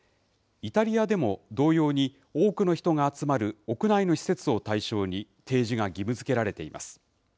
イタリアでも同様に、多くの人が集まる屋内の施設を対象に、提示が義務づけられています。